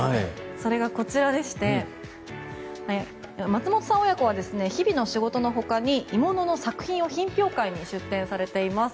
それが松本さん親子は日々の仕事の他に鋳物の作品を品評会に出展されています。